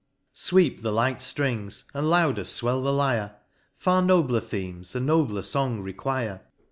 Sweep the light ftrings, and louder fwell the Lyre ! Far nobler Themes a nobler fong require.